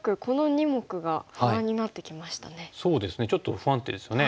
ちょっと不安定ですよね。